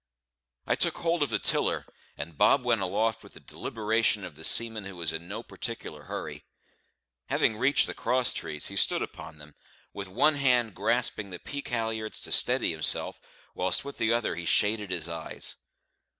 I took hold of the tiller, and Bob went aloft with the deliberation of the seaman who is in no particular hurry. Having reached the cross trees, he stood upon them, with one hand grasping the peak halliards to steady himself, whilst with the other he shaded his eyes.